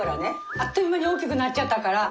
あっという間に大きくなっちゃったから。